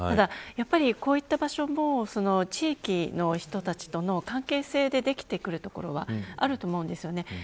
こういった場所も地域の人たちとの関係性でできているところはあると思うんですよね。